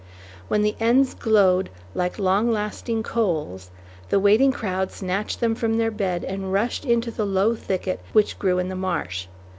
When the ends glowed like long lasting coals, the waiting crowd snatched them from their bed and rushed into the low thicket which grew in the marsh.